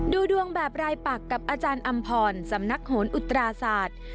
ดูดวงแบบรายปักกับอาจารย์อำพรสำนักโหนอุตราศาสตร์